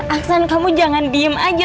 aksan kamu jangan diem aja